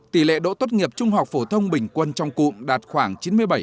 tỷ lệ độ tốt nghiệp trung học phổ thông bình quân trong cụm đạt khoảng chín mươi bảy